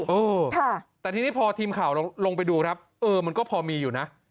เออแต่ทีนี้พอทีมข่าวลงไปดูครับเออมันก็พอมีอยู่นะ